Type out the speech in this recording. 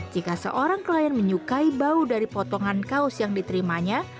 jika seorang klien menyukai bau dari potongan kaos yang diterimanya